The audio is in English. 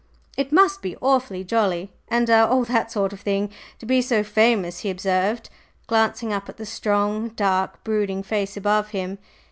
"It must be awfully jolly and er all that sort of thing to be so famous," he observed, glancing up at the strong, dark, brooding face above him.